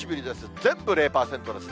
全部０％ですね。